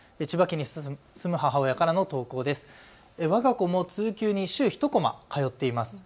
わが子も通級に週１コマ通っています。